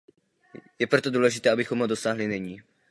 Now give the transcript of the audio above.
Je proto důležité, abychom ho dosáhli nyní.